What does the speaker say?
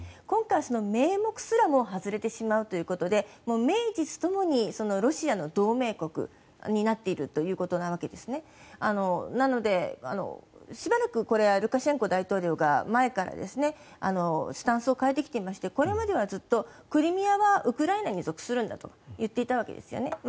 今回、名目すらも外れてしまうということで名実ともにロシアの同盟国になっているということなわけですなので、しばらくこれはルカシェンコ大統領が前からスタンスを変えてきていましてこれまではずっとクリミアはウクライナに属するんだと言っていたわけですよね。